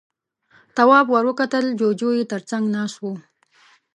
تواب ور وکتل، جُوجُو يې تر څنګ ناست و.